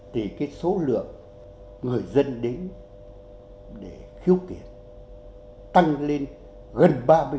thì cái số lượng người dân đến để khiếu kiện tăng lên gần ba mươi